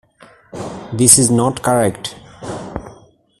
This is not correct.